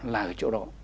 là ở chỗ đó